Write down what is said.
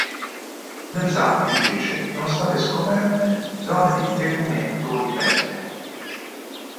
Sulle zampe invece sono state scoperte zone di tegumento di pelle.